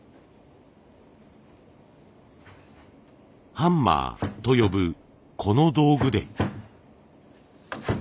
「ハンマー」と呼ぶこの道具で。